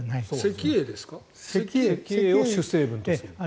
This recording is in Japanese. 石英を主成分とする。